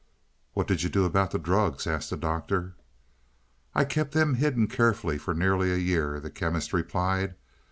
"What did you do about the drugs?" asked the Doctor. "I kept them hidden carefully for nearly a year," the Chemist replied.